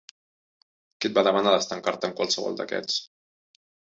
Qui et va demanar d'estancar-te amb qualsevol d'aquests?